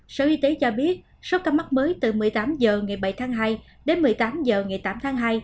sở y tế cho biết số ca mắc mới từ một mươi tám h ngày bảy tháng hai đến một mươi tám h ngày tám tháng hai